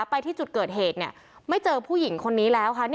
ไปที่จุดเกิดเหตุไม่เจอผู้หญิงคนนี้แล้วค่ะ